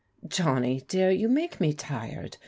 "Johnny dear, you make me tired.